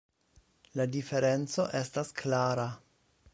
La diferenco estas klara.